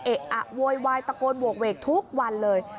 อะโวยวายตะโกนโหกเวกทุกวันเลย